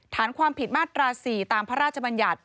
ฐานความผิดมาตรา๔ตามพระราชบัญญัติ